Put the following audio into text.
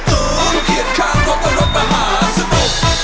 คือเหยียดข้างรถและรถมหาสนุก